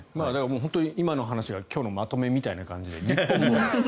本当に今の話が今日のまとめみたいな感じで。